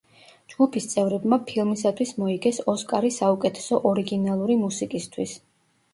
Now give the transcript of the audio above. ჯგუფის წევრებმა ფილმისათვის მოიგეს ოსკარი საუკეთესო ორიგინალური მუსიკისთვის.